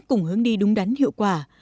cùng hướng đi đúng đắn hiệu quả